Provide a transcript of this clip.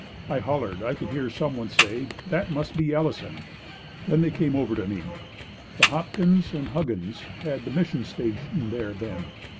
I hollered. I could hear someone say, 'That must be Ellison.' Then they came over for me. The Hopkins' and Huggins' had the mission station there then.